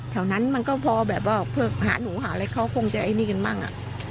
แถวนั้นมันก็พอแบบว่าเพื่อหาหนูหาอะไรเขาคงจะไอ้นี่กันบ้าง